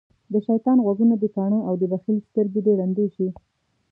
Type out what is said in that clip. دشيطان غوږونه دکاڼه او دبخیل سترګی د ړندی شی